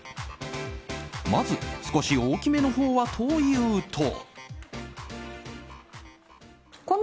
まず少し大きめのほうはというと。